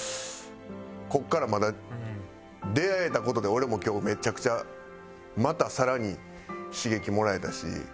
ここからまだ出会えた事で俺も今日めちゃくちゃまた更に刺激もらえたし。